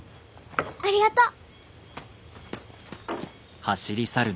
ありがとう！